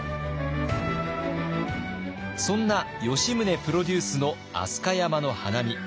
そんな吉宗プロデュースの飛鳥山の花見。